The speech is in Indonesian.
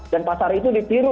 dan pasar itu dipiru